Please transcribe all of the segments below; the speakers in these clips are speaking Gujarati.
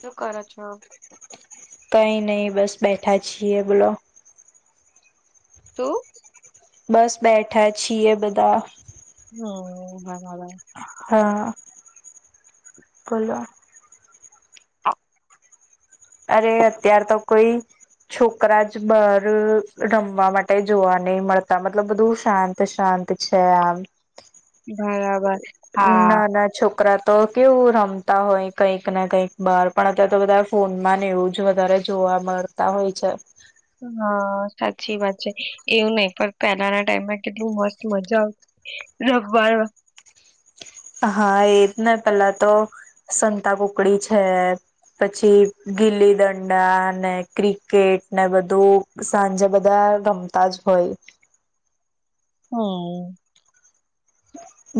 શું કર છો કઈ નહી બસ બેઠા છીએ બોલો તો બસ બેઠા છીએ બધા હ હા. હા બોલો. હા. અરે અત્યાર તો કોઈ છોકરા જ બહાર રમવા માટે જોવા નહીં મળતા મતલબ બધું શાંત શાંત છે આમ બરાબર હા નાના છોકરા તો કેવું રમતા હોય કંઈક કંઈક બહાર પણ અત્યારે તો બધા ફોન નમા એવું જ વધારે જોવા મળતા હોય છે. હા સાચી વાત છે એવું નહ પણ પહેલાના ટાઈમમાં કેટલું મસ્ત મજા આવતી રવાર હા એ જ ને પેલા તો સંતા કુકડી છે પછી ગીલી દંડા ને ક્રિકેટ ને બધું સાંજે બધા ગમતા જ હોય. હમ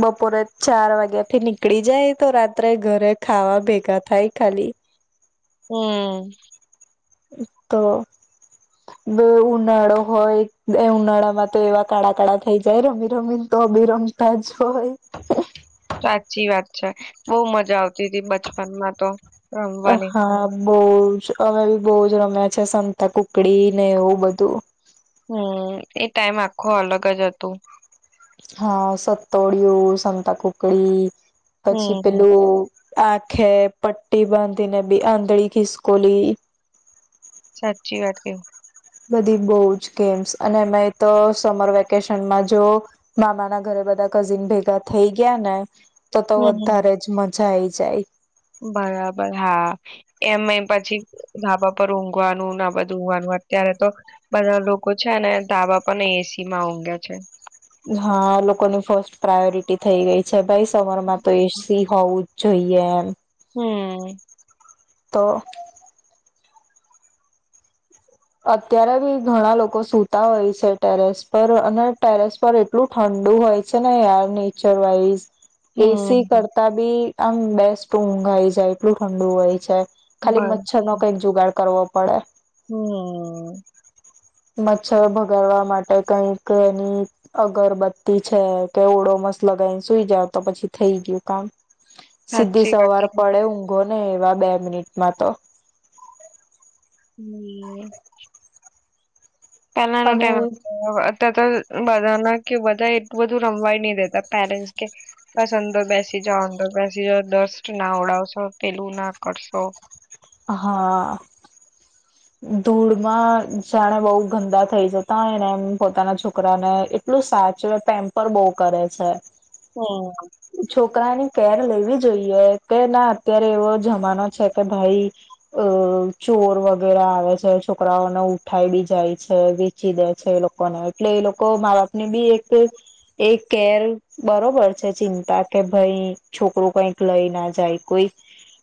બપોરે ચાર વાગ્યા થી નીકળી જાય તો રાત્રે ઘરે ખાવા ભેગા થાય ખાલી. હમ. તો બો ઉનાળો હોય એ ઉનાળામાં તો એવા કાળા કાળા થઈ જાય રમી રમીને તો અભિરમતા જ હોય સાચી વાત છે બહુ મજા આવ જેદી બચપન માં તો રમવાની હા બહુ જ અમે બી બહુજ રમ્યા છે સંતા કુકડી ને એવું બધું. હમ એ ટાઈમ આખો અલગ જ હતો. હા સતોડિયું, સંતાકુકડી. પછી હમ પેલું આંખે પટ્ટી બાંધીને બે આંધળી ખિસકોલી. સાચી વાત કે. બધી બહુ જ ગેમ્સ અને એમાં એ તો સમર વેકેશનમાં જો મામાના ઘરે બધા કઝિન ભેગા થઈ ગયા ને તો તો હમ. વધારે જ મ જાઇ આજાય બરાબર હા એમ એ પછી ધાબા પર ઊંઘવાનું ના બધું ઊવાનું અત્યારે તો બધા લોકો છે ને ધાબા પર ને એસી માં ઊંઘે છે. હા લોકોની ફર્સ્ટ પ્રાયોરિટી થઈ ગઈ છે ગાઇસ સમરમાં તો એજ ઈ હોવું જ જોઈએ એમ હમ. તો. અત્યારે બી ઘણા લોકો સુતા હોય છે ટેરેસ પર અને ટેરેસ પર એટલું ઠંડુ હોય છે યાર નેચર વાઇસ એસી હમ્મ કરતા બી આમ બેસ્ટ ઊંઘાઈ જાય એટલું ઠંડુ હોય છે. ખાલી બર માછરનો કઈ જુગાડ કરવો પડે. હમ્મ મચ્છર ભગાડવા માટે કઈક એની અગરબત્તી છે કે ઓડોમસ લગાઈને સુઈ જાવ તો પછી થઈ ગયું કામ. સીધી સાચી વાત સવાર કીધી પડે ઊંઘો ને એવા બે મિનિટમાં તો. [inaudible] પહેલાનું અને ટાઈમ તો ત બધાના કે બધા એક એટલું બધું રમવાય નહી દેતા પેરેન્ટસ કે બસ અંદર બેસી જાઓ અંદર બેસી જાઓ દસ્ટ ના ઉડાવશો પેલું ના કરશો. હા. ધૂળમાં જાણે બઉ ગંદા થઈ જતાયને એમ પોતાના છોકરાને એટલું સાચવે પેમ્પર બહુ કરે છે. હમ્મ છોકરાની કેર લેવી જોઈએ કે ના અત્યારે એવો જમાનો છે કે ભાઈ અ ચોર વગ ઘરે આવે છે છોકરાઓને ઉઠાડી જાય છે વેચી દે છે એ લોકોને એટલે એ લોકો મા બાપ ની બી એક એ કેર બરોબર છે ચિંતા કે ભાઈ છોકરું કઈક લઈ ના જાય કોઈ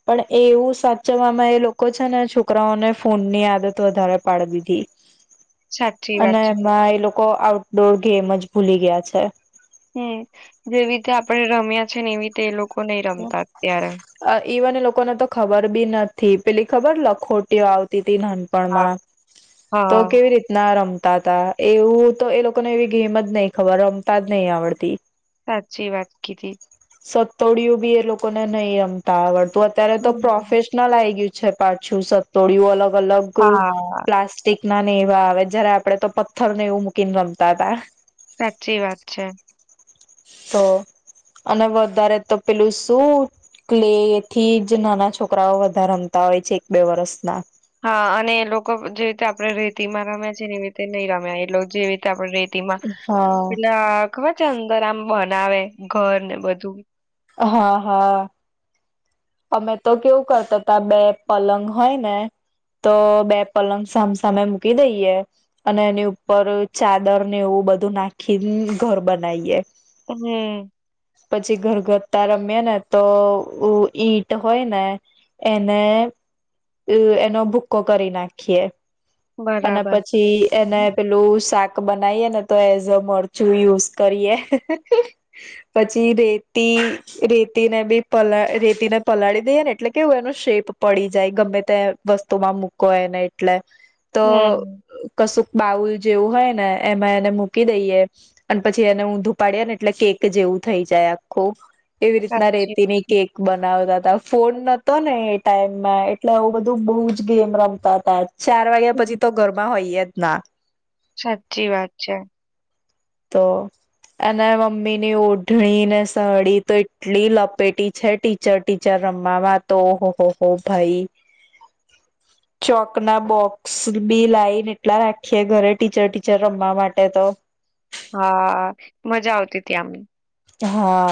પણ એ એવું સાચવામાં એ લોકો છે ને છોકરાઓને ફોન ની આદત વધારે પાડ દીધી. સાચી વાત અને છે. એમાં એ લોક લોકો આઉટડોર ગેમ જ ભૂલી ગયા છે. હમ જેવી રીતે આપણે રમ્યા છે ને એવી રીતે એ લોકો. નહી રમતા અત્યારે હ એવન લોકો. લોકોને તો ખબર બી નથી પેલી ખબર લખોટીઓ આવતી. હા નાનપણમાં તો હા કેવી રીતના રમ. રમતા હતા એવું તો એ લોકોને એવી ગેમ જ નહી ખબર રમતા જ નહી આવડતી. સાચી વાત કીધ. સતડિયું બી એ લોકોને નહી રમતા આવડ. અત્યારે તો હમ પ્રોફેશનલ આઈ ગયું. છે પાછું સતોડિું અલગ. અલગ હા પ્લાસ્ટિક. ના ને એવા આવે જયારે આપડે તો પથ્થર ને એવું મૂકીને રમતા હતાા. સાચી વાત છે. તો અને વધારે તો પેલું શું કલે થી જ નાના છોકરાઓ વધારે રમતા હોય છે એક બે વરસના. હા અને એ લોકો જે રીતે આપડણે રેતી માં રમ્યા છે એની રીતે નહી રમ્યા એ લોકો જેવી રીતે આપણે રેતી. હા પલા ખબર છે અંદર આમ. બનાવે ઘર ને બધું. હા હા. અમે તો કેવું કરતા હતા બે પલંગ હોય ને તો બે પલંગ સામસામે મૂકી દઈએ અને એની ઉપર ચાદર ને એવું બધું નાખી ઘર બનાવીએ. હમ પછી ઘર ઘર તા રમે ને તો. ઈટ હોય ને એને, એનો ભૂકો કરી નાખીએ. અને બરાબર પછી એને પેલું શાક બનાઈએ ને તો એઝ અ મરચું યુઝ કરીએ, પછી રેતી રેતીને બી પલા રેતીને પલાળી દઈએ ને એટલે કેવું એનું શેપ પડી જાય ગમે તે વસ્તુમાં મૂકો એને એટલે તો હમ કશું બાઉલ જેવું હોય ને એમાં એને મૂકી દઈએ અને પછી એને હું ધુપાડ્યા ને એટલે કેક જેવું થઈ જાય આખું. એવી રીતના સાચી વાત રેતીની કીધી. કેક બનાવતા ફોન નતો ને એ ટાઈમમાં એટલે આવું બધું બોજ ગેમ રમતા હતા, ચાર વાગે હમ. પછી તો ગરમાં હોઈએજ. ના સાચી વાત છે. તો અને મમ્મીની ઓઢણી ને સાડી તો એટલી લપેટી છે, ટીચર ટીચર રમવામાં તો ઓહહો હો ભાઈ, ચોક ના બોક્સ બી લાઈને એટલા રાખીએે ઘરે, ટીચર ટીચર રમવા માટે તો હા, મજા આવતી ત્યામને હા,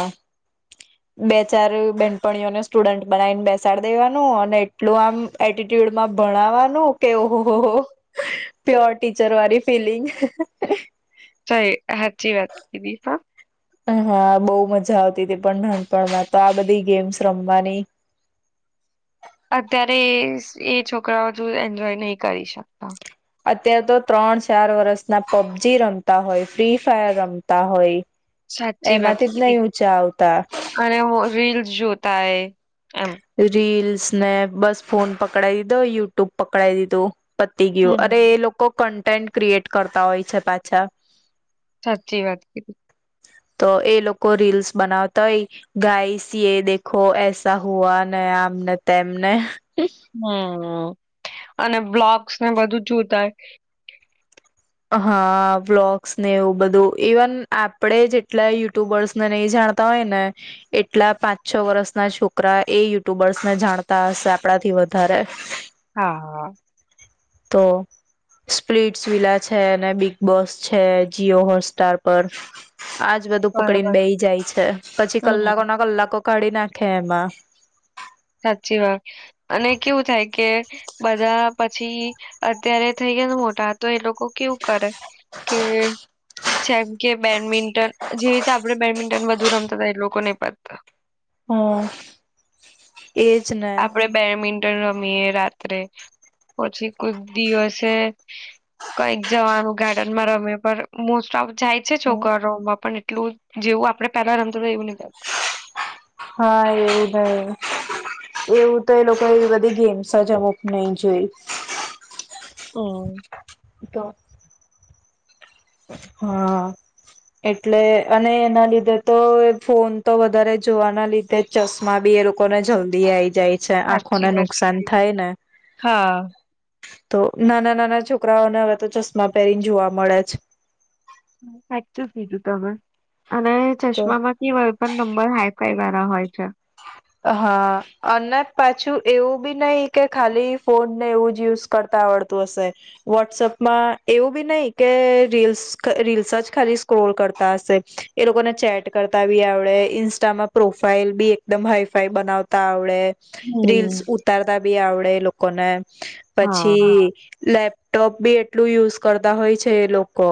બે ચાર બેનપણીઓને સ્ટુડન્ટ બનાવીને બેસાડી દેવાનું અને એટલું આમ એટીટ્યુડમાં ભણાવવાનું કે ઓ હો ઓ પ્યોર ટીચર વાળી ફિલિંગ. સાચી વાત કીધી હા હા, બોવ મજા આવતી હતી પણ નાનપણમાં તો આ બધી ગેમ્સ રમવાની અત્યારે એ છોકરાઓ એન્જોય નહી કરી શકતા. અત્યારે તો ત્રણ ચાર વર્ષ ના પબજી રમતા હોય, ફ્રી ફાયર રમતા હોય. સાચી વાત એમાંથી જ કીધી નહી ઊંચા આવતા અને હું રીલસ જોત તાઈ રીલ સ ને બસ ફોન પકડાઈ દીધો, યુટ્યુબ પકડાઈ દીધું. પતી ગયું, અરે હમ. એ લોકો કન ટેન્ટ ક્રિએટ કરતા હોય છે પાછા. સાચી વાત કીધી. તો એ લોકો રીલ્સ બનાવતા હોય, ગાઈ સી એ દેખો, એસા હુઆ ને આમને તેમને હમ્મ અને બ્લોગસ ને બધું જોતા હોય હા, વ્લોગ્સ ને એવું બધું. ઇવન આપડે જેટલા યુટ્યુબર્સને નહી જાણતા હોય ને, એટલા પાંચ છ વર્ષ ના છોકરા એ યુટ્યુબર્સને જાણતા હશે આપણાથી વધારે. હા. તો સ્પ્લીટસ વિલા છે, બિગ બોસ છે, જી હોટસ્ટાર પર આજ- બધું પકડીને બરાબર બેહી જાય છે, પછી કલાકો હમ ના કલાકો કાઢી નાખે એમાં સાચી વાત અને કેવું થાય કે બધા પછી અત્યારે થઈ ગયાને મોટા તો એ લોકો કેવું કરે કે જેમ કે બેડમિન ટન જે રીતે આપણે બેડમિન્ટન બધું રમતા એ લોકો [unintelligible] હમ્મ આપડે બેડમિન્ટન રમ યે રાત્રે પછી કોક દિવસે કઈક જવાનું ગાર્ડન માં રમે પણ મોસ્ટ ઓફ જાય છે, છોકરોમાં પણ એટલું જેવું આપડે પેલા રમતા એવું ની હા એવું ભાઈ એવું તો એ લોકો એ બધી ગેમસ જ અમુક નઈ જોય. હમ તો. હા, એટલે અને એના લીધે તો ફોન તો વધારે જોવાના લીધે ચશ્મા બી એ લોકોને જલ્દી આઈ જાય છે. આંખોને સાચી વાત નુકસાન કીધી થાય ને હા તો નાના નાના છોકરાઓને હવે તો ચશ્મા પહેરીને જોવા મળે છે. સાચું કીધું તમે. અને તો ચશ્મામાંથી વય પણ નંબર હાય કઈ વારા હોય છે. હા અને પાછું એવું બી નહી કે ખાલી ફોનને એવું જ યુઝ કરતા આવડતું હશે વોટ્સઅપમાં એવું બી નહી કે રીલ્સ રીલ્સ જ ખાલી સ્ક્રોલ કરતા હશે એ લોકોને ચેટ કરતા બી આવડે ઇન્સ્ટામાં પ્રોફાાઈલ બી એકદમ હાઈ ફાઈ બનાવતા આવડે. રીલસ હમ ઉતારતા તા બી આવડે એ લોકોને. હા પછી લેપ લેપટોપ બી એટલું યુઝ કરતા હોય છે એ લોકો.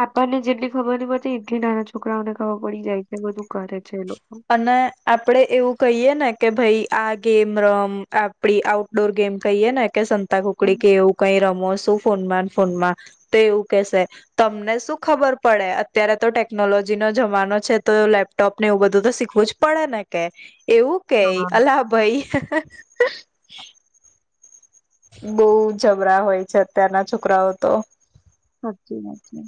આપણને જેટલી ખબર ની પડતી એટલી નાના છોકરાઓને ખબર પડી જાય છે બધું કરે છે એ લોકો અને આપડે એવું કહીએ ને કે ભાઈ આ ગેમ રમ આપડી આઉટડોર ગેમ કહીએ ને કે સંતા તા કુકડી કે એવું કઈ રમો ફોનમાં ફોનમાં તો એવું કેશે તમને શું ખબર પડે અત્યારે તો ટેકનોલોજી નો જમાનો છે તો લેપટોપ ને એવું બધું તો શીખવું જ પડે ને કે એવું કે, હા અલ્હ ભાઈ. હ. બઉુ જબરા હોય છે અત્યારના છોકરાઓ તો. હાજી હાજી.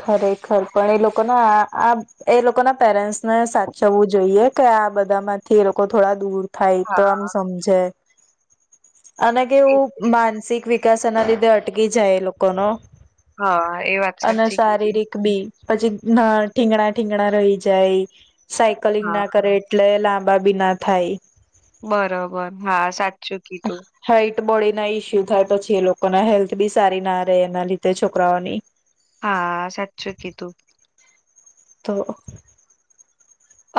ખરેખર પણ એ લોકોના આ એ લોકો ના પેરેન્ટ્સને સાચવવું જોઈએ કે આ બધા માંથી એ લોકો થોડા દૂર થાય તો હા આમ સમજે. અને કેવું માનસિક વિકાસ ના લીધે અટકી જાય એ લોકો નો હા એ વાત સાચી. કીધી શારીરિક બી પછી ના ઠીંગણા ઠીંગણા રહી જાય. સાયકલિંગ હા ના કરે એટલે લાંબ બી ના થાય. બરોબર હા સાત. જોકી તો હાઈટ બોડી ના ઈસ્યુ થાય પછી એ લોકો ના હેલ્થ બી સારી ના રહે એના લીધે છોકરાઓની. હા સાચું કીધું. તો.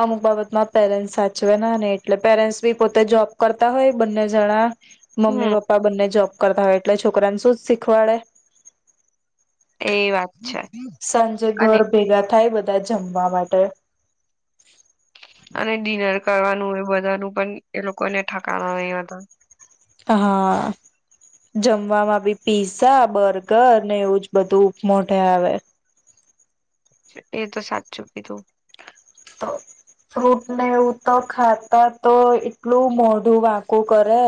અમુક બાબતમાં પેરેન્ટસ સાચવે ના ને એટલે પેરેન્ટ્સ બી પોતે જોબ કરતા હોય બંને જણા મમ્મી હમ પપ્પા બંને જોબ. કરતા હોય એટલે છોકરાને શું જ શીખવાડે. એ વાત છે સાંજે અને ઘર ભેગા થાય બધા. બધા જમવા માટે. અને ડિનર કરવાનું એ બધાનું પણ એ લોકોને ઠકાના નહી હતા. હા જમવામાં બી પીઝા બર્ગર ને એવું જ બધું ઉપમોઢે આવે. એ તો સાચું કીધું તો ફ્રૂટને એવું તો ખાતા તો એટલું મોઢું વાંકું કરે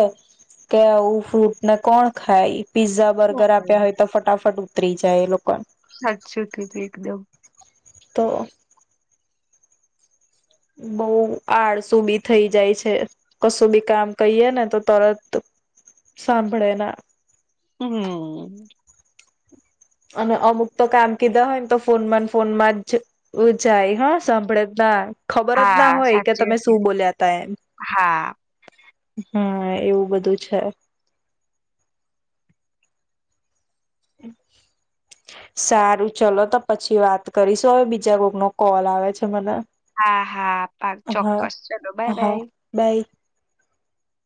કે આવું ફ્રૂટ ને કોણ ખાય. પીઝા બર્ગર આપ્યા હમ હોય તો ફટાફટ ઉતરી જ. જાય એ લોકોને સાચી કીધું એકદમ. તો. બહુ આળસુ બી થઈ જાય છે કશું બી કામ કહીય ને તો તરત સાંભળે ના. હમ્મ અને અમુક તો કામ કીધા હોય ને તો ફોન માં ફોનમાં જ જાય હા સાંભળે જ ના. ખબર જ ના હા હોય કે સાચી તમે વાત શું કીધી બોલ્યા તા એમ હા હમ્મ એવું બધું છે. સારું ચલો તો પછી વાત કરીશું હવે બીજા કોક નો કોલ આવે છે મને. હા હા પ હા ચોક્કસ ચલો બાય હા બાય બાય